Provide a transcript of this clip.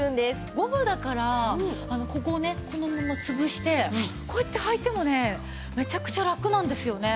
ゴムだからここをねこのまま潰してこうやって履いてもねめちゃくちゃラクなんですよね。